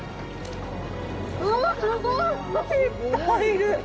うわあ、すごい！いっぱいいる！